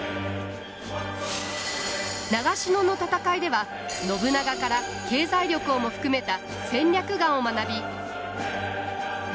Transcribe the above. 長篠の戦いでは信長から経済力をも含めた戦略眼を学び